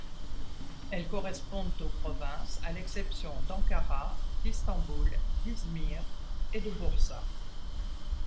Elles correspondent aux provinces à l'exception d'Ankara, d'Istanbul, d'Izmir et de Bursa.